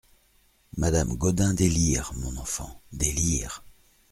Madame Gaudin Des lyres, mon enfant, des lyres !